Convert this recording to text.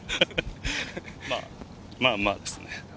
まあまあですね。